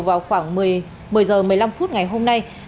vào khoảng một mươi h một mươi năm phút ngày hôm nay